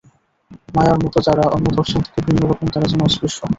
মায়ার মতো যারা অন্য দশজন থেকে ভিন্ন রকম, তারা যেন অস্পৃশ্য।